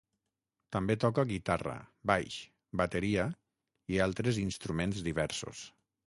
També toca guitarra, baix, bateria i altres instruments diversos.